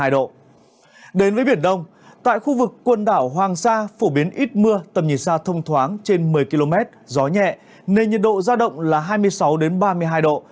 đến với biển đông tại khu vực quần đảo hoàng sa phổ biến ít mưa tầm nhìn xa thông thoáng trên một mươi km gió nhẹ nền nhiệt độ ra động là hai mươi sáu ba mươi hai độ